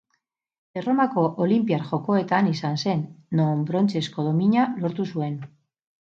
Erromako Olinpiar Jokoetan izan zen, non brontzezko domina lortu zuen.